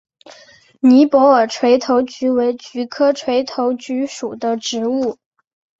尼泊尔垂头菊为菊科垂头菊属的植物。